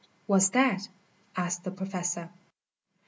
"What's that?" asked the Professor.